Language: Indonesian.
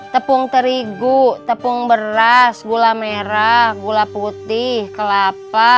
tepung terigu tepung beras gula merah gula putih kelapa